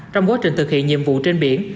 trong quá trình thực hiện nhiệm vụ trên biển